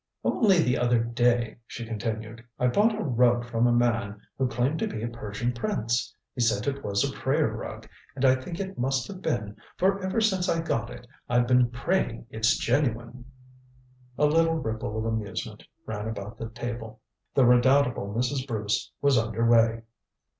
"Only the other day," she continued, "I bought a rug from a man who claimed to be a Persian prince. He said it was a prayer rug, and I think it must have been, for ever since I got it I've been praying it's genuine." A little ripple of amusement ran about the table. The redoubtable Mrs. Bruce was under way.